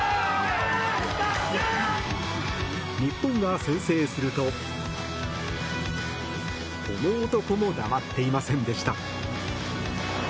日本が先制するとこの男も黙っていませんでした。